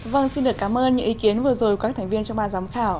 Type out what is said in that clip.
vâng xin được cảm ơn những ý kiến vừa rồi của các thành viên trong ban giám khảo